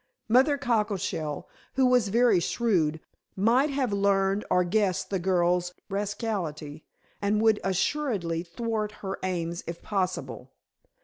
Mother Cockleshell, who was very shrewd, might have learned or guessed the girl's rascality, and would assuredly thwart her aims if possible.